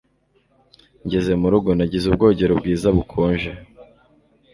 Ngeze murugo, nagize ubwogero bwiza, bukonje.